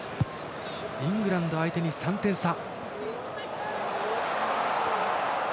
イングランド相手に３点差。